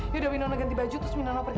yaudah winona ganti baju terus minono pergi ya